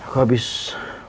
ini mau tak vision